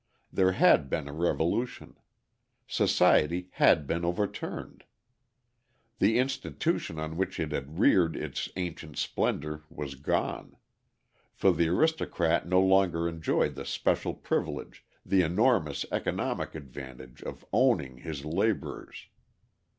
There had been a revolution; society had been overturned. The institution on which it had reared its ancient splendour was gone: for the aristocrat no longer enjoyed the special privilege, the enormous economic advantage of owning his labourers.